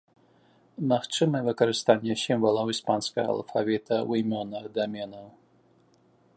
Магчымае выкарыстанне сімвалаў іспанскага алфавіта ў імёнах даменаў.